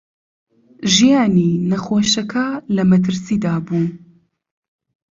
ژیانی نەخۆشەکە لە مەترسیدا بوو.